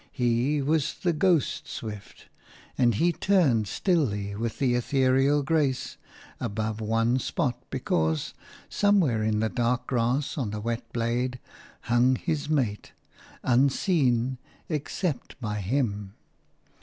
He was the ghost swift, and he turned stilly, with ethereal grace, above one spot because, somewhere in the dark grass, on a wet blade, hung his mate, unseen except by him.